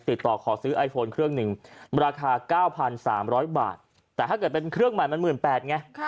ติดต่อขอซื้อไอโฟนเครื่องหนึ่งราคา๙๓๐๐บาทแต่ถ้าเกิดเป็นเครื่องใหม่มัน๑๘๐๐ไง